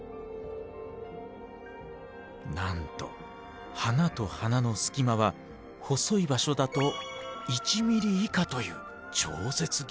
なんと花と花の隙間は細い場所だと１ｍｍ以下という超絶技巧。